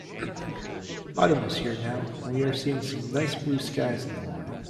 Autumn is here now, and we are seeing some nice blue skies in the morning.